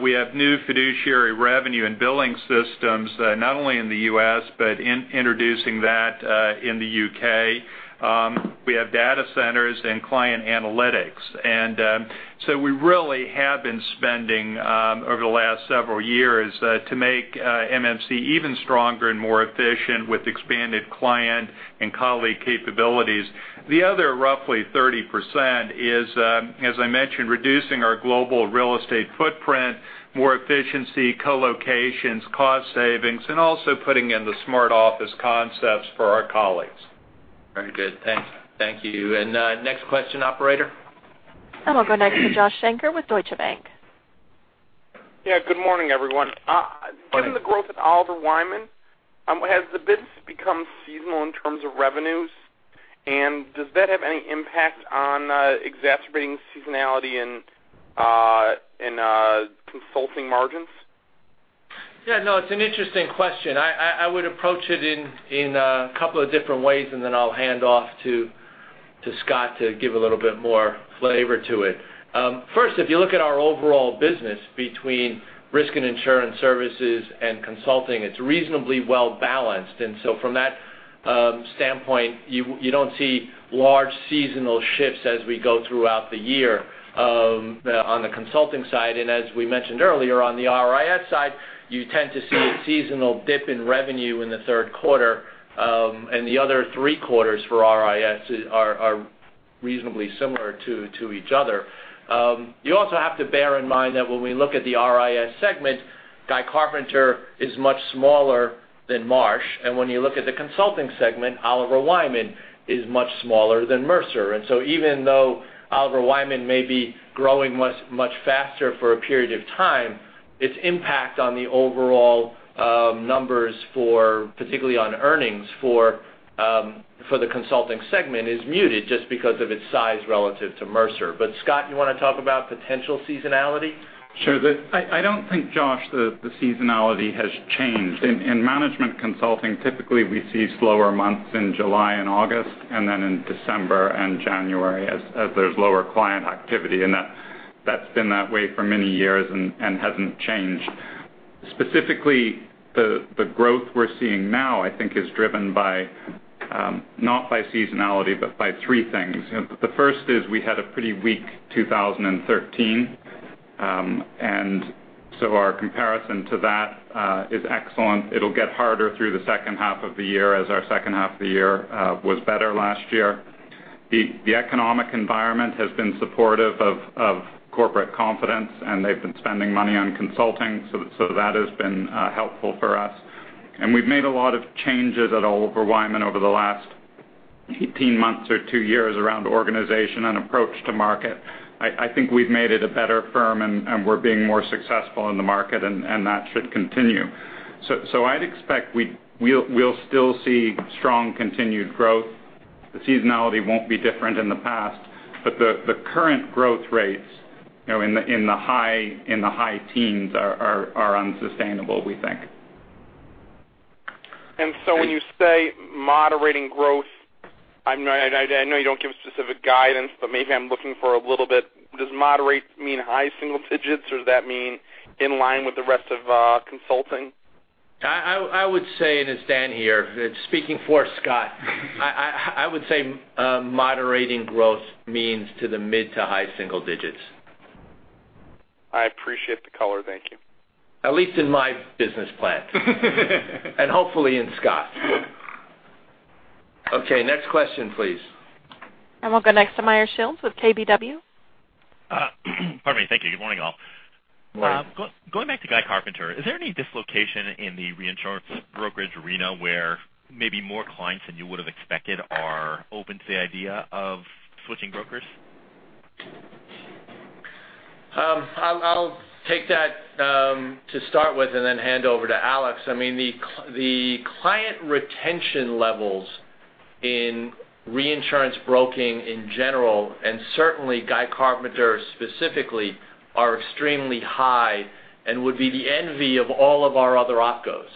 We have new fiduciary revenue and billing systems, not only in the U.S., but introducing that in the U.K. We have data centers and client analytics. We really have been spending over the last several years to make MMC even stronger and more efficient with expanded client and colleague capabilities. The other roughly 30% is, as I mentioned, reducing our global real estate footprint, more efficiency, co-locations, cost savings, and also putting in the smart office concepts for our colleagues. Very good. Thanks. Thank you. Next question, operator. We'll go next to Joshua Shanker with Deutsche Bank. Yeah, good morning, everyone. Morning. Given the growth at Oliver Wyman, has the business become seasonal in terms of revenues? Does that have any impact on exacerbating seasonality in consulting margins? Yeah, no, it's an interesting question. I would approach it in a couple of different ways, then I'll hand off to Scott to give a little bit more flavor to it. First, if you look at our overall business between Risk and Insurance Services and consulting, it's reasonably well balanced. So from that standpoint, you don't see large seasonal shifts as we go throughout the year on the consulting side. As we mentioned earlier, on the RIS side, you tend to see a seasonal dip in revenue in the third quarter, and the other three quarters for RIS are reasonably similar to each other. You also have to bear in mind that when we look at the RIS segment, Guy Carpenter is much smaller than Marsh. When you look at the consulting segment, Oliver Wyman is much smaller than Mercer. Even though Oliver Wyman may be growing much faster for a period of time, its impact on the overall numbers, particularly on earnings for the consulting segment, is muted just because of its size relative to Mercer. Scott, you want to talk about potential seasonality? Sure. I don't think, Josh, that the seasonality has changed. In management consulting, typically we see slower months in July and August, then in December and January as there's lower client activity. That's been that way for many years and hasn't changed. Specifically, the growth we're seeing now, I think is driven not by seasonality, but by three things. The first is we had a pretty weak 2013. Our comparison to that is excellent. It'll get harder through the second half of the year as our second half of the year was better last year. The economic environment has been supportive of corporate confidence, and they've been spending money on consulting. That has been helpful for us. We've made a lot of changes at Oliver Wyman over the last 18 months or two years around organization and approach to market. I think we've made it a better firm, we're being more successful in the market, that should continue. I'd expect we'll still see strong continued growth. The seasonality won't be different in the past, the current growth rates in the high teens are unsustainable, we think. When you say moderating growth, I know you don't give specific guidance, maybe I'm looking for a little bit. Does moderate mean high single digits, or does that mean in line with the rest of consulting? It's Dan here speaking for Scott, I would say moderating growth means to the mid to high single digits. I appreciate the color. Thank you. At least in my business plan. Hopefully in Scott's. Okay, next question, please. We'll go next to Meyer Shields with KBW. Pardon me. Thank you. Good morning, all. Morning. Going back to Guy Carpenter, is there any dislocation in the reinsurance brokerage arena where maybe more clients than you would have expected are open to the idea of switching brokers? I'll take that to start with and then hand over to Alex. The client retention levels in reinsurance broking in general, and certainly Guy Carpenter specifically, are extremely high and would be the envy of all of our other opcos.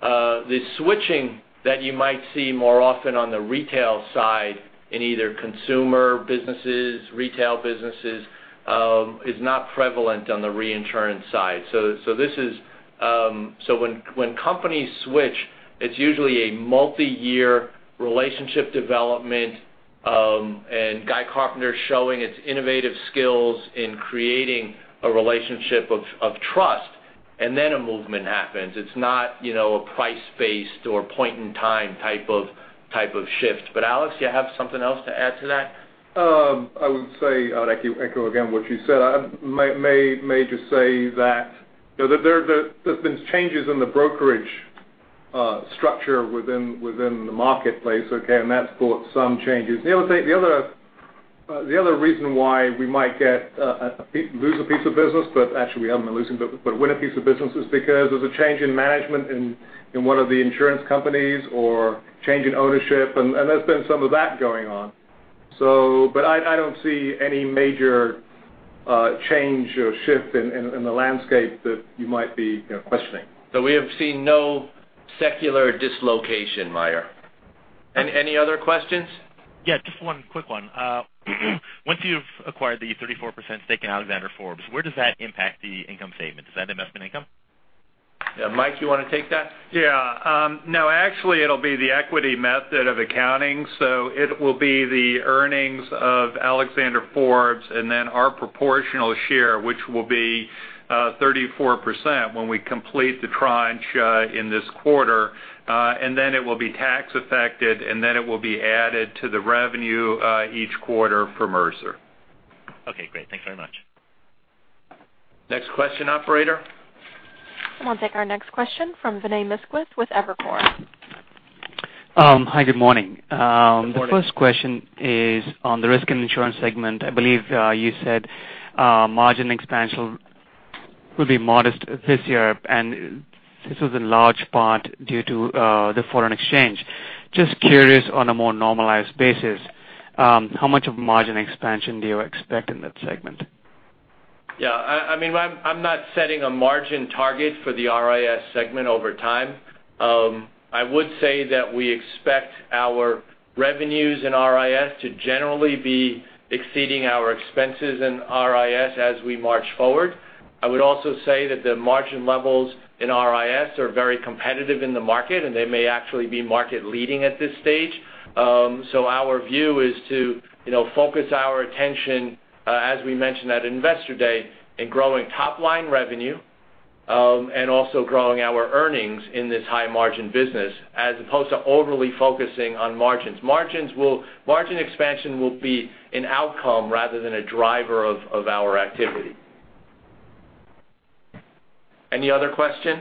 The switching that you might see more often on the retail side in either consumer businesses, retail businesses, is not prevalent on the reinsurance side. When companies switch, it's usually a multi-year relationship development, and Guy Carpenter is showing its innovative skills in creating a relationship of trust, and then a movement happens. It's not a price-based or point-in-time type of shift. Alex, you have something else to add to that? I would say I'd echo again what you said. I may just say that there's been changes in the brokerage structure within the marketplace, okay? That's brought some changes. The other reason why we might lose a piece of business, but actually we haven't been losing, but win a piece of business, is because there's a change in management in one of the insurance companies or change in ownership, and there's been some of that going on. I don't see any major change or shift in the landscape that you might be questioning. We have seen no secular dislocation, Meyer. Any other questions? Just one quick one. Once you've acquired the 34% stake in Alexander Forbes, where does that impact the income statement? Is that investment income? Mike, you want to take that? No, actually, it'll be the equity method of accounting, so it will be the earnings of Alexander Forbes and then our proportional share, which will be 34% when we complete the tranche in this quarter. It will be tax affected, and it will be added to the revenue each quarter for Mercer. Okay, great. Thanks very much. Next question, operator. We'll take our next question from Vinay Misquith with Evercore. Hi, good morning. Good morning. The first question is on the risk and insurance segment. I believe you said margin expansion will be modest this year, and this was in large part due to the foreign exchange. Just curious, on a more normalized basis, how much of margin expansion do you expect in that segment? Yeah. I'm not setting a margin target for the RIS segment over time. I would say that we expect our revenues in RIS to generally be exceeding our expenses in RIS as we march forward. I would also say that the margin levels in RIS are very competitive in the market, and they may actually be market leading at this stage. Our view is to focus our attention, as we mentioned at Investor Day, in growing top-line revenue Also growing our earnings in this high margin business, as opposed to overly focusing on margins. Margin expansion will be an outcome rather than a driver of our activity. Any other question?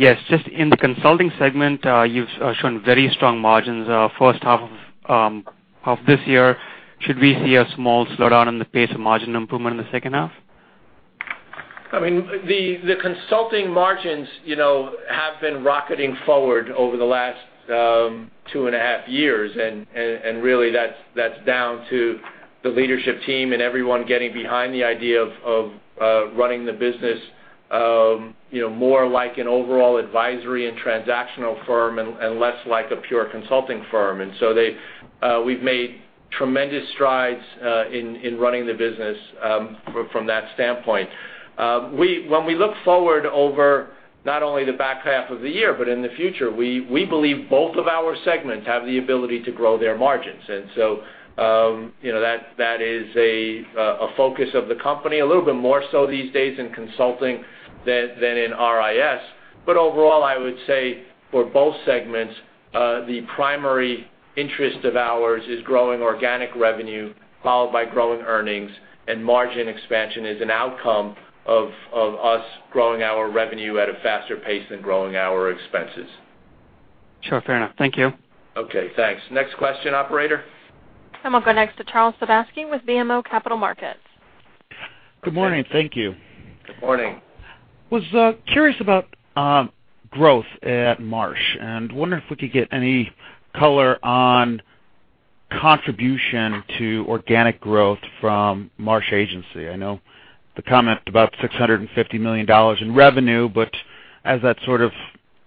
Yes, just in the consulting segment, you've shown very strong margins first half of this year. Should we see a small slowdown in the pace of margin improvement in the second half? The consulting margins have been rocketing forward over the last two and a half years. Really that's down to the leadership team and everyone getting behind the idea of running the business more like an overall advisory and transactional firm and less like a pure consulting firm. We've made tremendous strides in running the business from that standpoint. When we look forward over not only the back half of the year, but in the future, we believe both of our segments have the ability to grow their margins. That is a focus of the company, a little bit more so these days in consulting than in RIS. Overall, I would say for both segments, the primary interest of ours is growing organic revenue followed by growing earnings. Margin expansion is an outcome of us growing our revenue at a faster pace than growing our expenses. Sure, fair enough. Thank you. Okay, thanks. Next question, operator. We'll go next to Charles Sebaski with BMO Capital Markets. Good morning. Thank you. Good morning. I was curious about growth at Marsh, and wonder if we could get any color on contribution to organic growth from Marsh Agency. I know the comment about $650 million in revenue, but as that sort of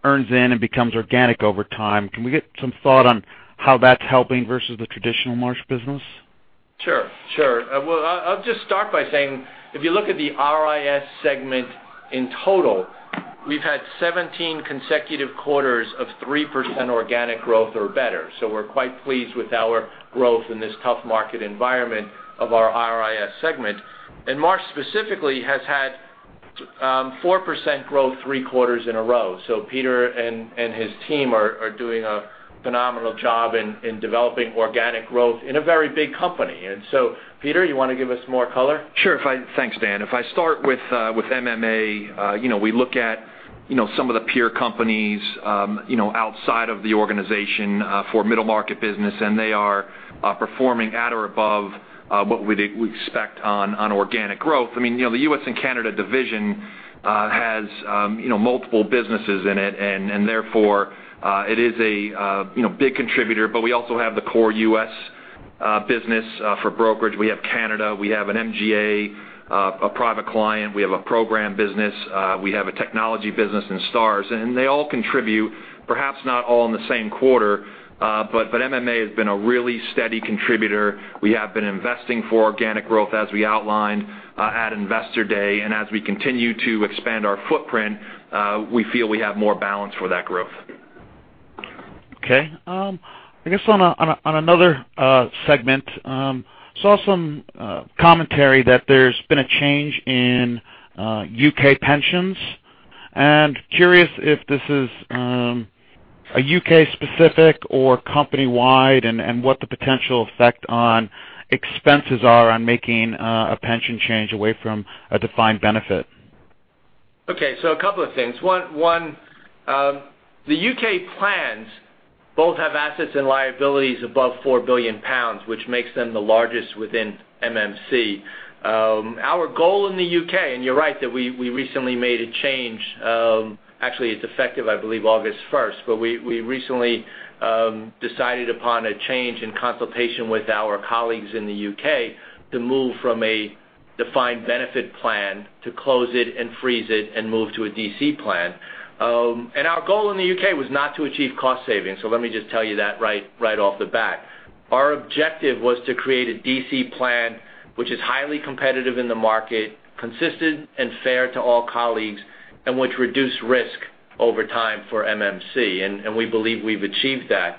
earns in and becomes organic over time, can we get some thought on how that's helping versus the traditional Marsh business? Sure. Well, I'll just start by saying, if you look at the RIS segment in total, we've had 17 consecutive quarters of 3% organic growth or better. We're quite pleased with our growth in this tough market environment of our RIS segment. Marsh specifically has had 4% growth three quarters in a row. Peter and his team are doing a phenomenal job in developing organic growth in a very big company. Peter, you want to give us more color? Sure. Thanks, Dan. If I start with MMA, we look at some of the peer companies outside of the organization for middle market business, and they are performing at or above what we'd expect on organic growth. The U.S. and Canada division has multiple businesses in it, and therefore it is a big contributor. We also have the core U.S. business for brokerage. We have Canada. We have an MGA, a private client. We have a program business. We have a technology business in STARS. They all contribute, perhaps not all in the same quarter, but MMA has been a really steady contributor. We have been investing for organic growth as we outlined at Investor Day. As we continue to expand our footprint, we feel we have more balance for that growth. Okay. I guess on another segment, saw some commentary that there's been a change in U.K. pensions. Curious if this is a U.K. specific or company-wide, and what the potential effect on expenses are on making a pension change away from a defined benefit. Okay, a couple of things. One, the U.K. plans both have assets and liabilities above 4 billion pounds, which makes them the largest within MMC. Our goal in the U.K., and you're right, that we recently made a change, actually it's effective, I believe August 1st, but we recently decided upon a change in consultation with our colleagues in the U.K. to move from a defined benefit plan to close it and freeze it and move to a DC plan. Our goal in the U.K. was not to achieve cost savings, let me just tell you that right off the bat. Our objective was to create a DC plan which is highly competitive in the market, consistent and fair to all colleagues, and which reduce risk over time for MMC, and we believe we've achieved that.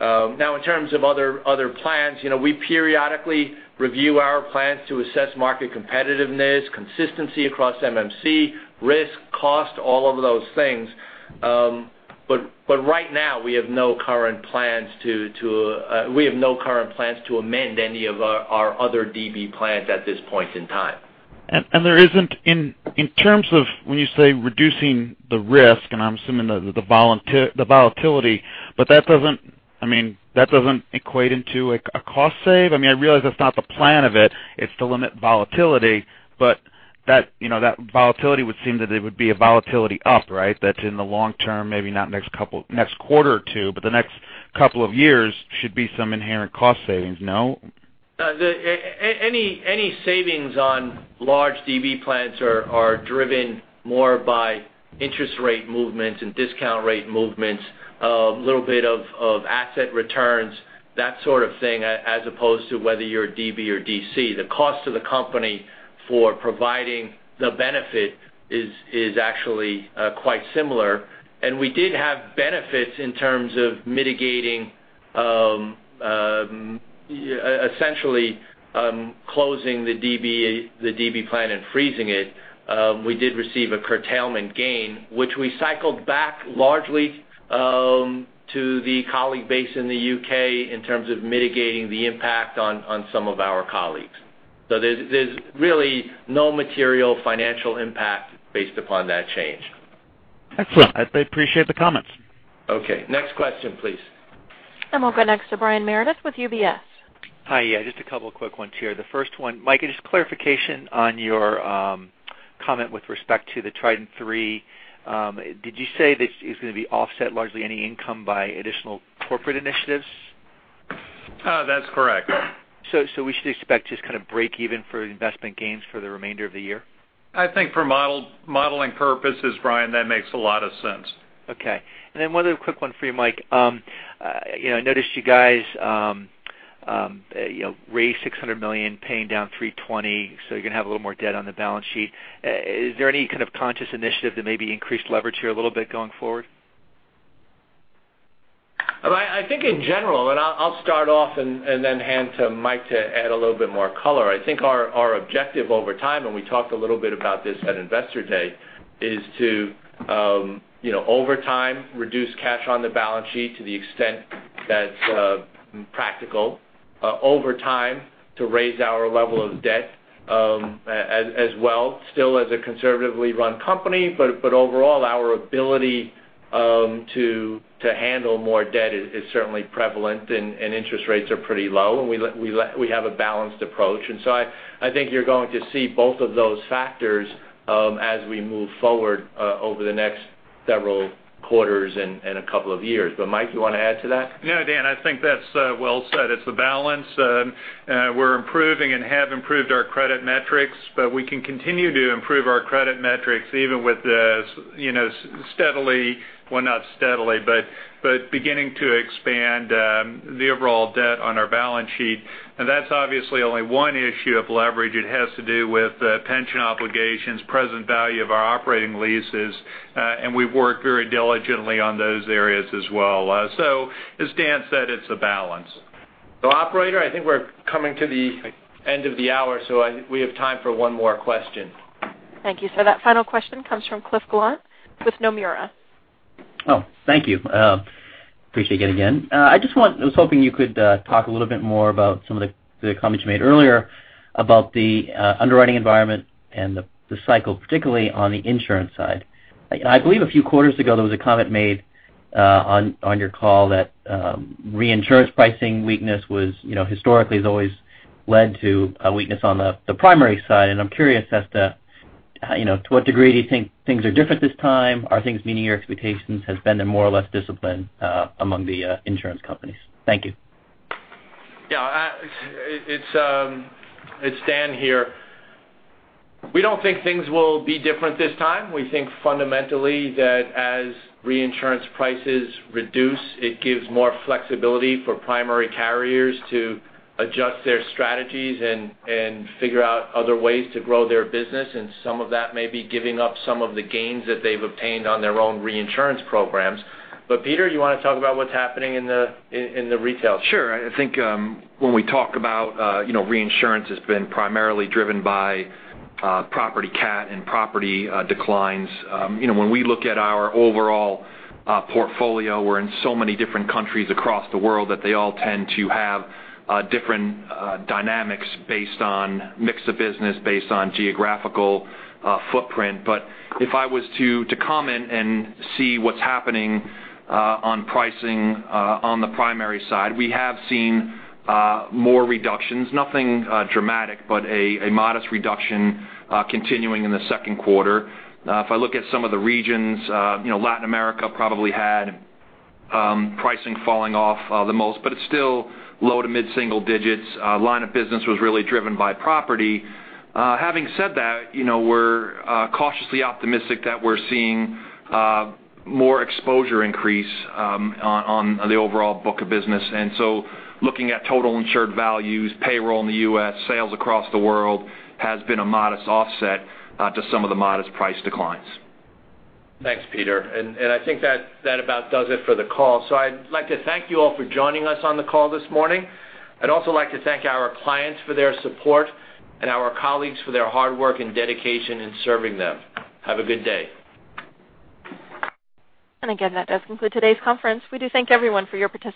Now, in terms of other plans, we periodically review our plans to assess market competitiveness, consistency across MMC, risk, cost, all of those things. Right now, we have no current plans to amend any of our other DB plans at this point in time. There isn't, in terms of when you say reducing the risk, and I'm assuming the volatility, that doesn't equate into a cost save? I realize that's not the plan of it. It's to limit volatility. That volatility would seem that it would be a volatility up, right? That in the long term, maybe not next quarter or two, but the next couple of years should be some inherent cost savings, no? Any savings on large DB plans are driven more by interest rate movements and discount rate movements, a little bit of asset returns, that sort of thing, as opposed to whether you're a DB or DC. The cost to the company for providing the benefit is actually quite similar. We did have benefits in terms of mitigating Essentially closing the DB plan and freezing it, we did receive a curtailment gain, which we cycled back largely to the colleague base in the U.K. in terms of mitigating the impact on some of our colleagues. There's really no material financial impact based upon that change. Excellent. I appreciate the comments. Okay. Next question, please. We'll go next to Brian Meredith with UBS. Hi. Yeah, just a couple of quick ones here. The first one, Mike, just clarification on your comment with respect to the Trident III. Did you say this is going to be offset largely any income by additional corporate initiatives? That's correct. We should expect just kind of break even for investment gains for the remainder of the year? I think for modeling purposes, Brian, that makes a lot of sense. Okay. Then one other quick one for you, Mike. I noticed you guys raised $600 million, paying down $320, you're going to have a little more debt on the balance sheet. Is there any kind of conscious initiative to maybe increase leverage here a little bit going forward? I think in general, I'll start off and then hand to Mike to add a little bit more color, I think our objective over time, we talked a little bit about this at Investor Day, is to, over time, reduce cash on the balance sheet to the extent that's practical, over time, to raise our level of debt as well, still as a conservatively run company. Overall, our ability to handle more debt is certainly prevalent, and interest rates are pretty low, and we have a balanced approach. I think you're going to see both of those factors as we move forward over the next several quarters and a couple of years. Mike, you want to add to that? Dan, I think that's well said. It's a balance. We're improving and have improved our credit metrics, we can continue to improve our credit metrics even with steadily, well, not steadily, but beginning to expand the overall debt on our balance sheet. That's obviously only one issue of leverage. It has to do with pension obligations, present value of our operating leases. We've worked very diligently on those areas as well. As Dan said, it's a balance. Operator, I think we're coming to the end of the hour, so we have time for one more question. Thank you, sir. That final question comes from Cliff Gallant with Nomura. Thank you. Appreciate it again. I was hoping you could talk a little bit more about some of the comments you made earlier about the underwriting environment and the cycle, particularly on the insurance side. I believe a few quarters ago, there was a comment made on your call that reinsurance pricing weakness historically has always led to a weakness on the primary side, and I'm curious as to what degree do you think things are different this time? Are things meeting your expectations? Has been there more or less discipline among the insurance companies? Thank you. Yeah. It's Dan here. We don't think things will be different this time. We think fundamentally that as reinsurance prices reduce, it gives more flexibility for primary carriers to adjust their strategies and figure out other ways to grow their business, and some of that may be giving up some of the gains that they've obtained on their own reinsurance programs. Peter, you want to talk about what's happening in the retail? Sure. I think when we talk about reinsurance has been primarily driven by property catastrophe and property declines. When we look at our overall portfolio, we're in so many different countries across the world that they all tend to have different dynamics based on mix of business, based on geographical footprint. If I was to comment and see what's happening on pricing on the primary side, we have seen more reductions. Nothing dramatic, but a modest reduction continuing in the second quarter. If I look at some of the regions, Latin America probably had pricing falling off the most, but it's still low to mid-single digits. Line of business was really driven by property. Having said that, we're cautiously optimistic that we're seeing more exposure increase on the overall book of business. Looking at total insured values, payroll in the U.S., sales across the world has been a modest offset to some of the modest price declines. Thanks, Peter. I think that about does it for the call. I'd like to thank you all for joining us on the call this morning. I'd also like to thank our clients for their support and our colleagues for their hard work and dedication in serving them. Have a good day. Again, that does conclude today's conference. We do thank everyone for your participation.